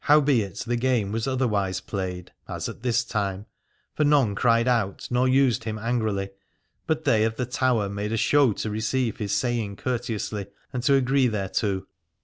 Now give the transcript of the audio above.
Howbeit the game was otherwise played, as at this time, for none cried out nor used him angrily, but they of the Tower made a show to receive his saying courteously and to agree thereto.